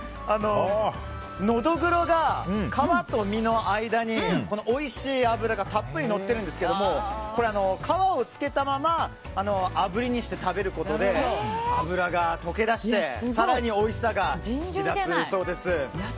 ノドグロが皮と身の間においしい脂がたっぷりのってるんですけども皮をつけたままあぶりにして食べることで脂が溶け出して更においしさが引き立つそうです。